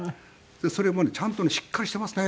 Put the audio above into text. それもねちゃんとしっかりしていますね